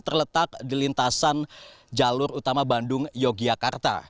terletak di lintasan jalur utama bandung yogyakarta